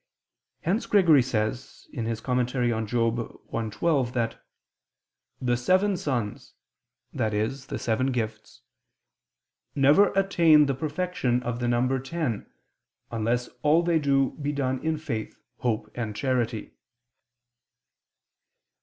Hence Gregory says (Moral. i, 12) that "the seven sons," i.e. the seven gifts, "never attain the perfection of the number ten, unless all they do be done in faith, hope, and charity."